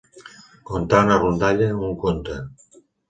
Contar una rondalla, un conte.